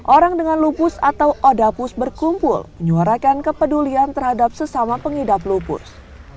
orang dengan lupus atau odapus berkumpul menyuarakan kepedulian terhadap sesama pengidap lupus